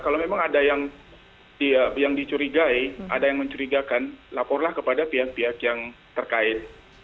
kalau memang ada yang dicurigai ada yang mencurigakan laporlah kepada pihak pihak yang terkait